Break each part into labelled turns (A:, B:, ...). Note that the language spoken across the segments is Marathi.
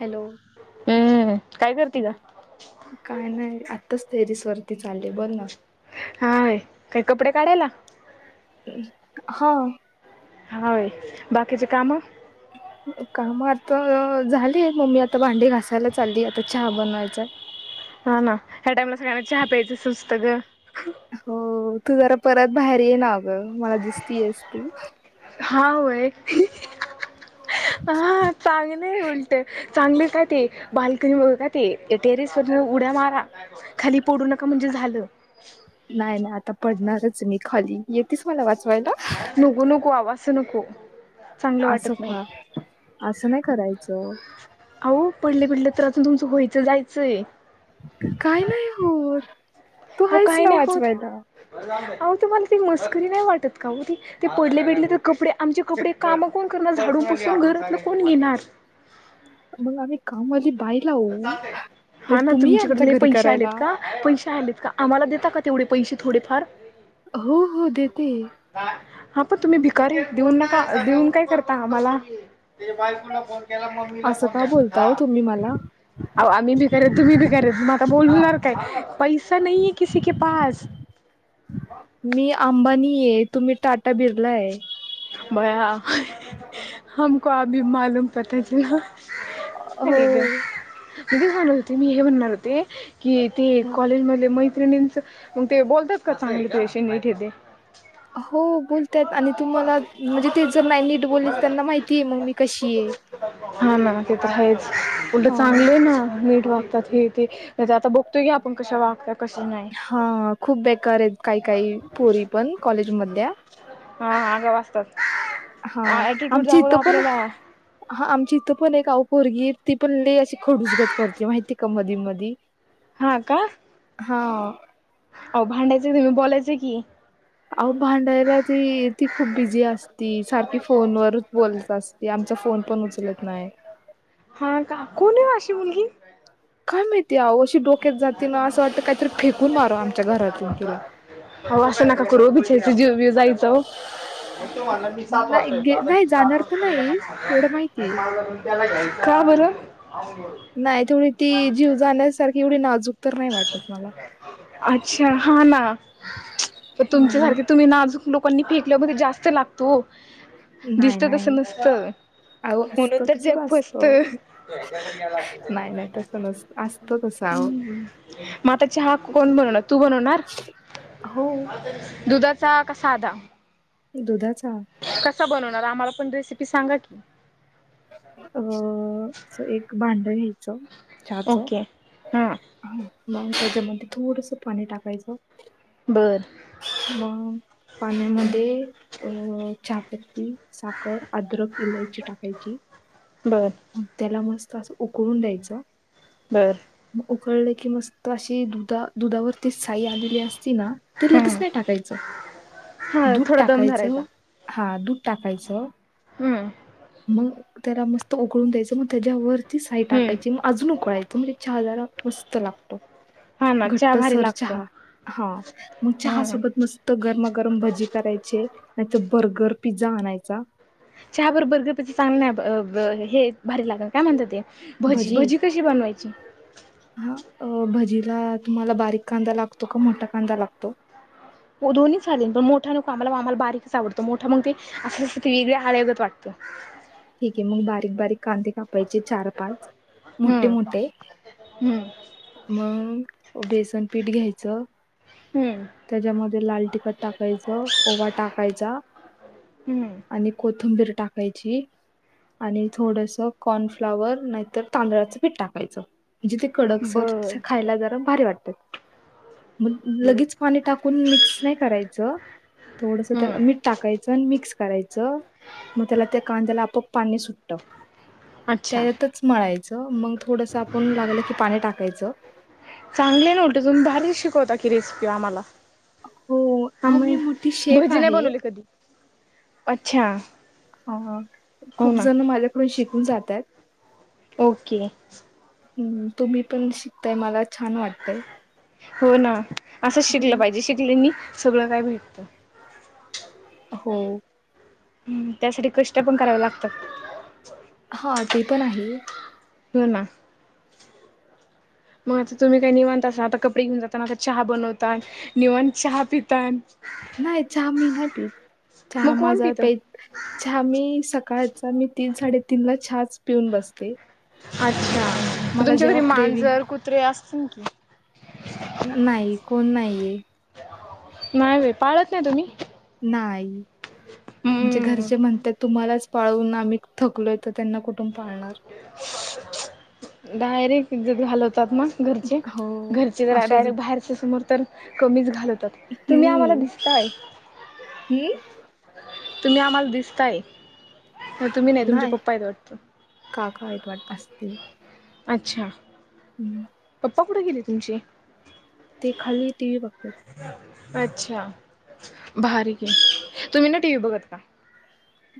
A: हॅलो
B: हम्म काय करते ग?
A: बोल काय नाही आताच सरी सरी त
B: हाय काय कपडे काढायला
A: हा
B: हाय बाकीचे काम
A: काम आता झालीय मम्मी आता भांडी घासायला चालली आता चहा बनवायच
B: हा ना ह्या टाइमला सगळ्यांना चहा प्यायचं सुस्त ग
A: हो तू जरा परत बाहेर ये ना अगं मला दिसतीस ती
B: हा होय हा चांगलं उलट चांगले काय ते बाल्कनी ब काय ते टेरिस वरल ्या मा खाली पडू नका म्हणजे झालं
A: नाही नाही आता पडणारच मी खाली येेतेच मला वाच
B: नुघू नको आवाज नको चांगलं
A: असं
B: वाटत नाही.
A: ख असं नाही करायचं
B: अहो पडले पिडले तर अजून तुमचं व्हायचं जायचंय
A: काय नाही हो तू
B: हो
A: आहेच
B: काही
A: ना
B: नाही होत
A: वाचवायला
B: अह ते मला ती मस्करी नाही वाटत का हो ती ते पडले पेडले तर कपडे आमचे कपडे कामं कोण करण झाड पसून घरात न कोण घेणार
A: मग आम्ही कामाची
B: हा ना तुमच्याकड
A: आमच्या घरी
B: पैसे
A: करायला
B: आलेत का पैसे आलेत का आम्हाला देता क तेवढे पैसे थोडेफार
A: हो हो देेत
B: ह हा प तुम्ही भिकारी आहे देऊन नका देऊन काय करता आम्हाला
A: असं का बोलता
B: म
A: हो तुम्ही मला
B: आम्ही बी करे तुम्ही बी करे आता बोल काय पैसा नाही आहे कसी के पास
A: मी अंबानी तुम्ही टाटा भिरलाय
B: बया
A: ह
B: कोभी मालूम पता चला
A: हो
B: तीच म्हणत होते मी हे म्हणणार होते की ते कॉलेजमध्येध म मग ते बोलतात का चांगले पैश नाही ठेे
A: हो बोलतयत आणि तुम्हाला म्हणजे ते जर नाही नट बोलल त्यांना माहिती आहे मग मी कशी आहे.
B: हा म ते तर आहेच उलढं
A: अ,
B: चांगलं आहे ना मी वागतात हे ते आता बघतोय की आपण कशा वागतात
A: हा खूप बेकार आहेत काही काही पोरी पण कॉलेज मधल्या
B: हाा ग्या वाजतात
A: हा आमच्या इथ
B: आपल्याला
A: पणम चिथ पण एक अव खोरगी ती पण ले अशी खडूजगत करते माहिती का मधी मध
B: हा का
A: हा
B: अ भांडायच बी बोलायचे की.
A: आहो भांडायला ती ती खूप बिझी असती सारखी फोनवरच बोलत असते आम... तुमचा फोन पण उचलत नाही.
B: हा का. कशी मुलगी.
A: काय माहिती आहो अशी डोक्यात जाते ना असं वाटतं काहीतरी फेकून मारू आमच्या घरातून तिला.
B: आहो असं ना का करू बिचारी च जी.... व्य जायचो ओ..
A: नाही गे नाही जाणार तर नाही एवढं माहितीय.
B: [inaudible] का बोल..
A: नाही तेवढी ती जीव जाण्यासारखी एवढी नाजूक तर नाही वाटत मला.
B: अच्छा हा ना, प
A: हा मग.
B: तुमच्यासारखे तुम्ही नाजूक लोकांनी फेकल्या जास्त लागतो हो.
A: नाही
B: दिसत
A: नाही
B: तसं नसत.
A: अहो असतं
B: म्हणून तर
A: तसच
B: जग फसत
A: असतं.
B: अ..
A: काऊ.
B: माताचे हाक कोण बनवणार तू बनवणार,
A: हो.
B: दुधात. सा कासाधा.
A: दुधाचा..
B: क बनवणार आम्हाला पण रेसिपी सांगा की.
A: अ एक भांड घ्यायचं. हाच
B: ओके हां
A: मग त्याच्यामध्ये थोडस पाणी टाकायचं.
B: बरं.
A: [inaudible] पाण्यामध्ये अं चहा पत्ती साखर अद्रक इलायची टाकायची.
B: बर
A: म त्याला मस्त असं उकळून द्यायचं.
B: बर.
A: कळले की मस्त अशी दुधा दुधावर.. ते साई आलेली असती ना, ते लगेच
B: हम्म
A: नाही टाकायचं.
B: हा
A: दूध
B: थोडा दम धरायचा
A: टाकायचं, हा दूध टाकायचं.
B: हम्म.
A: मग त्याला मस्त उघळून द्यायचं मग त्याच्यावरती साई
B: हम्म
A: टाकायची मग अजून उकळायचं म्हणजे चहाजार... मस्त लागतो,
B: हा ना चहा
A: घट्ट
B: भारी
A: सर
B: लागतो
A: चहा. हा मग चहा
B: हम्म
A: सोबत मस्त गरमागरम भजी करायचे नाहीत... बर्गर, पिझ्झा आणायचा.
B: चहा बरोबर बर्गर, पिझ्झा चांगलं नाही ब-ब हे भारी लाग काय म्हणत ते. भजी, भजी कशी बनवायची.
A: ला तुम्हाला बारीक कांदा लागतो का मोठा कांदा लागतो.
B: हो दोन्ही चाले पण मोठा नक आमला आमला बारीकच आवडतो मोठा मग ते आस अस ते वेगळे आळगत वाटतं. [inaudible]
A: ठीक हे, मग बारीक -बारीक कांदे कापायचे चार, पाच मोठे
B: हम्म
A: -मोठे.
B: हम्म
A: मग बेसन पीठ घ्यायचं.
B: हम्म
A: त्याच्यामध्ये लाल तिखट टाकायचं ओवा टाकायचा.
B: हम्म
A: आणि कोथंबीर टाकायची. आणि थोडस कॉनफ्लावर नाहीतर तांदळाचं पीठ टाकायचं. जे ते कडकसर
B: बर
A: खायला जरा भारी वाटत. मग
B: बर
A: लगेच पाणी टाकून मिक्स नाही करायचं. थोडस त्याला
B: हम्म
A: मीठ टाकायचं आणि मिक्स करायचं मग त्याला त्या कांद्याला आपप... पाणी सुटत
B: अच्छा
A: त्यातच मळाय... च मग थोडस आपण लागलं की पाणी टाकायचं.
B: चांगले ना उलते तुम्ही भारीच शिकवता की रेसिपी आम्हाला
A: हो
B: ह
A: अहो
B: म
A: मी मोठी शेफ
B: भजी नाही
A: आहे
B: बनवली कधी.. अच्छा
A: ह
B: हो
A: खूप
B: ना
A: जण माझ्याकडून शिकून जातात
B: ओके
A: हम् तुम्ही पण शिकताय मला छान वाटतय
B: हो ना असं शिकलं पाहिजे शिकलेनी सगळं काय भेटत
A: हो
B: हम्म त्यासाठी कष्ट पण कराव लागतात
A: हा ते पण आहे.
B: हो ना मग आता तुम्ही काही निवांता असा आता कपडे घेऊन जातन आता चहा बनवतान निवांत चहा पितानं
A: नाही चहा मी नाही पीत चहा
B: मग कोण
A: माझा
B: पितं?
A: प हा चहा मी सकाळचा मी तीन साडेतीन ला चहाच पिऊन बसते
B: अच्छा
A: मला
B: तुमच्या घरी
A: जेव्हा क्रेविंग
B: मांजर कुत्रे असतील की
A: नाही कोण नाहीये.
B: नाही व पाळत नाही तुम्ही..
A: नाय आमच्या
B: हम्म.
A: घरचे म्हणतात तुम्हालाच पाळून आम्ही थकलोय तर त्यांना कुठून पाळणार.
B: डायरेक्ट इज्जत घालव तात ना घरचे
A: हो
B: घरचे जरा
A: असेच
B: डारेक्ट बाहेरच्या समोर तर कमीच घालवतात. तुम्ही आम्हाला [inaudible]
A: हम्म [inaudible]
B: तुम्ही आम्हाला दिसताय. हो तुम्ही नाही तुमचे पप्पा येत वाटत.
A: काका आहेत [unintelligible]
B: अच्छा!
A: [unintelligible]
B: पा कुठं गेली तुमची [unintelligible]
A: ते खाली टी व्ही बघत्यात
B: अच्छा भारी घ ये तुम्ही ना टी व्ही बघत का?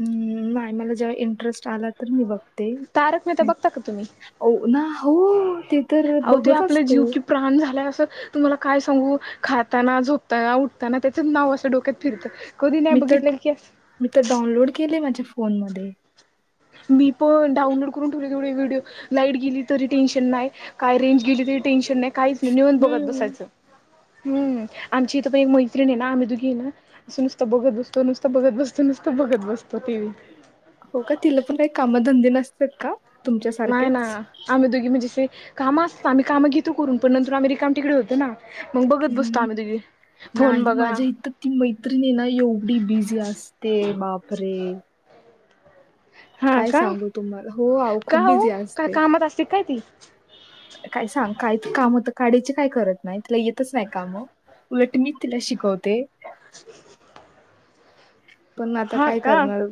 A: हम्म नाही मला जेव्हा इंटरेस्ट आला तर मी बघ ते
B: तारक मेहता
A: ना
B: बघता का
A: हो ना हो.. ते तर
B: आहो ते
A: बघत
B: आपले
A: असतो
B: जीव कि प्राण झालाय असं तुम्हाला काय सांगू खाताना झोपताना उठताना त्याच नाव असं डोक्यात फिरतं कधी नाही
A: मी तर
B: बघितलं की
A: मी तर डाउनलोड केले माझ्या फोनमध्ये
B: मी पण डाउनलोड करून ठेवले तेवढे व्हिडिओ लाईट गेली तरी टेन्शन नाही काय रेंज गेली तरी टेन्शन नाही काहीच निवांत बघत
A: हम्म
B: बसायचं हम्म आमची इथं पण एक मैतिणी ना आम्ही दुघी आहे ना असं नुसतं बघत बसतो नुसतं बघत बसतो नुसतं बघत बसतो टीव्ही
A: हो का तिला पण काही कामधंदे नसतात का
B: नाही ना
A: तुमच्यासारखेच
B: आम्ही दोघी म्हणजेे काम असत आम्ही काम घेतो करून पण नंतर आम्ही रिकाम तिकडे होतो ना मग बघत बसतो
A: हम्म
B: आम्ही तुझी फोन
A: नाही
B: बघा
A: माझ्या इथं ती मैत्रिणी ना एवढी बिझी असते वापरे
B: हा का
A: तुम्हाला हो आहो
B: का
A: खूप
B: हो
A: बिझी
B: काय
A: असते.
B: कामात असते काय ती
A: काढाची काय करत नाही तिला येतच नाही काम उलट मी तिला शिकवते
B: [inaudible]
A: पण आता
B: हा
A: काय
B: का
A: करणार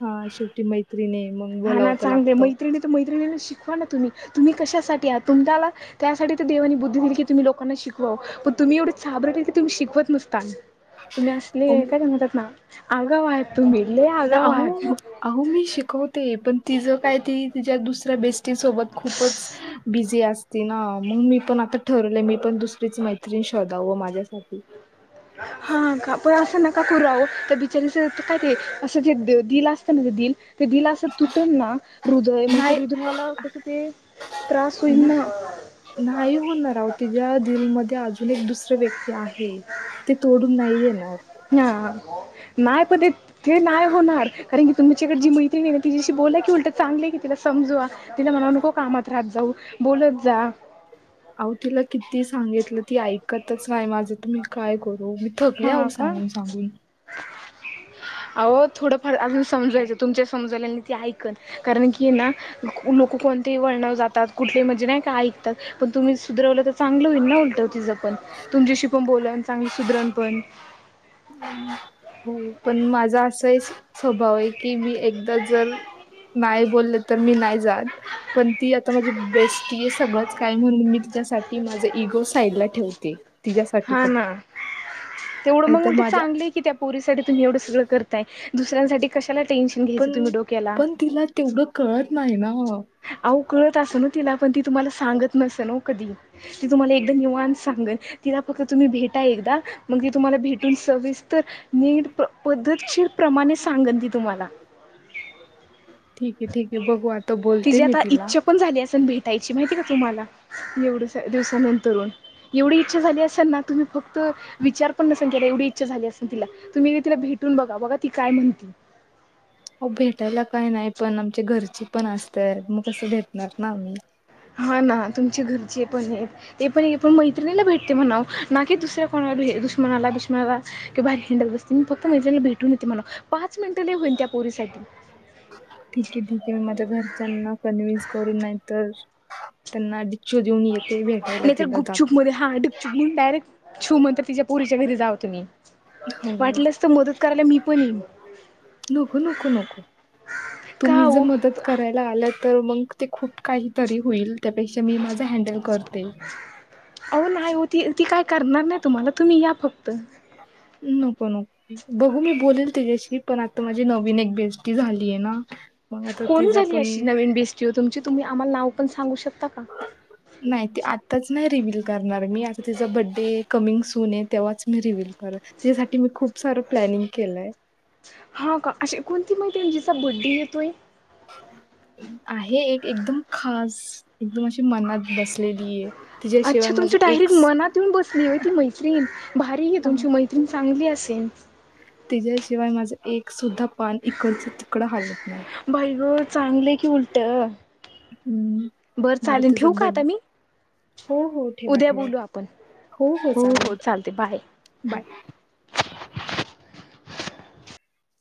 A: हा शेवटी मै
B: हा ना चांगले मैत्रिणी तर मैत्रिणी [unintelligible] शिकवा ना तुम्ही तुम्ही कशासाठी आ तुम्हाला त्यासाठी देवानी बुद्ध दिली तुम्ही लोकना शिकवाव. पण तुम्ही एव्हढं साबरे तुम्ही शिकवत नसतान. तुम्ही असलेय काय ते म्हणतात ना अगाव आहेत तुम्ही लय या गावात
A: ते पण ति ज काय त दुसऱ्या बेी सोबत खूपच बिी अस ना मग मी पण आतारलं मी पण द मैत्रीण श्रोधा व माझ्यासाठी
B: हा का पण असं ना का कूह तर बिचारीच काय ते असं जे दिल असतं ना ते दिल ते दिला असं तुटल ना हृदय मग ते
A: नाही
B: हुदयाला कसं ते त्रास होईल ना
A: नाही होणार रा तिच्या्या दिलमध्ये अजून एक दुसऱ्या व्यक्ती आहे ते तोडून नाही येणार
B: हा नाही पण ते नाही होणार कारण की तुम्च्याकडे जी मैत्री नाही ना तिच्याशी बोलाय की उलट चांगले की तिला स सम तिला म्हणा नको कामात राहात जाऊ बोलत जा
A: अह तिला किती सांगितलं ती ऐकतच नाही माझं तुम्ही काय करू मी थकले आह सांगून सांगून
B: अह थोडंफार अजून समजायचं तुमच्या समजाय ते ऐकन कारण की ना लोक कोणतेही वळण जातात कुठलेही म्हणजे नाही काय ऐकतात तुम्ही सुधरवलं तर चांगलं होईल ना तिचा पण तुमच्याशी उलट पण बोला चांगली सुधरण पण
A: हम् हो पण माझा असाही स्वभाव आहे की मी एकदा जर नाही बोलल तर मी नाही जात पण ती आता माझी बेस्टी आहे सगळंच काय म्हणून मी साठी माझ इगो साइड ला ठेवते तिच्यासाठी फक्त
B: तर
A: नाहीतर
B: मग
A: माझ्या
B: चांगला आहे की तुम्ही त्या पोरीसाठी एवढं करत आहेत
A: पण पण तिला तेवढं कळत नाही ना
B: अहो कळत असं ना तिला पण ती तुम्हाला सांगत नस कधी ती तुम्हाला एकद निवान सांगन तिला फक्त तुम्ही भेटाल मग तुम्हाला भेटून सविस्तर नीट पद्धतशीर प्रमाणे सांग ती तुम्हाला
A: ठीक आहे ठीक आहे बघू आता बोलते
B: तिची
A: मी
B: आता
A: तिला
B: इच्छा पण झाली अस भेट त्यायची माहिती का तुम्हाला एवढ दिवसानंतरून एवढी इच्छा झाली असता ना तुम्ही फक्त विचार पण नसे त्याला एवढी इच्छा झाली असेल तिला तुम्ही तिला भेटून बघा बा ती काय म्हणती ह
A: हो भेटायला काही नाही पण आमच्या घरची पण असतेय मग कसं भेटणार ना आम्ही
B: हा ना तुमचे घरचे पण आहेत ते पण पण मैत्रिणीला भेटते म्हणाव ना की दुसऱ्या कोणा दुश्नाला बिष्ला किं बार हिंडत बसते मी फक्त महिलांना भेटून येते मला पाच मिनटं ल होईन पोरीसाठी
A: ठीक आहे ठीक आहे मी माझ्या घरच्यांना कन्व्हिन्स करून नाही तर त्यांना अ
B: नाहीतर गुपचुप मध्ये हा डुपचुप म्हणून डायरेक्ट छू मग तर तिच्या पुरीच्या घरी जा तुम्ही
A: हो.
B: वाटलंस तर मदत करायला मी पण येई
A: नको नको नको तुम्ही ज मदत करायला आलात तर मग ते खूप काहीतरी होईल त्यापेक्षा मी माझा हँडल करते.
B: अ नाही हो त ती काय करणार नाही तुम्हाला तुम्ही या फक्त,
A: नको नको बघू मी बोलेल त्याच्याशी पण आता माझी नवीन एक बेस्टी झालीय ना मग आता
B: कोण
A: तिचा
B: झाली
A: पण
B: अशी नवीन बेस्टी तुमची तुम्ही आम्हाला नाव पण सांगू शकता का
A: नाही ते आ आच नाही रिव्हल करणार मी आता तिचा बडडे कमिंग सून आहे तेव्हाच मी रिव्हल कर तिच्यासाठी मी खूप खूप सारं प्लॅनिंग केलंय
B: हा का अशी कोणती महि जिचा बड्डे येतोय.
A: आहे एक एकदम खास एकदम अशी मनात बसलेली. आहे. तिच्याशिवाय
B: अच्छा
A: माझं
B: तुमच्या
A: एक
B: डायरेक्ट
A: स
B: मनात येऊन बसली हय ती मैत्रीण भारी आहे तुमची मैत्रीण चांली अस, [unintelligible]
A: तच्याशिवाय माझं एक सुद्धा पान इकडच तिकडं हालत नाही.
B: बाई ग चांगले की उलट
A: हम्म,
B: बर
A: माझा
B: चालेल
A: तिचा
B: ठेव का आता
A: बड
B: मी,
A: हो हो ठेवा
B: उद्या
A: ठेवा.
B: बोलू आपण हो हो चालते बाय
A: बाय.
B: [unintelligible]